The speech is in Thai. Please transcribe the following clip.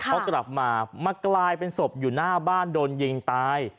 เขากลับมามากลายเป็นศพอยู่หน้าบ้านโดนยิงตาย